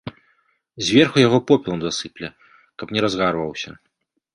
Зверху яго попелам засыпле, каб не разгарваўся.